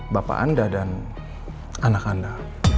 bapak anda dan anak anda